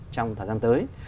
trong thời gian tới